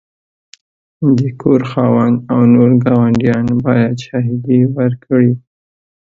د کور خاوند او نور ګاونډیان باید شاهدي ورکړي.